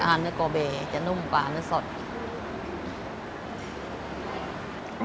จะอ่านเนื้อกอเบจะนุ่มกว่าอันนี้สด